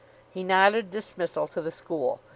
He nodded dismissal to the school.